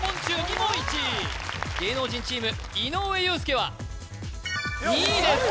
芸能人チーム井上裕介は２位です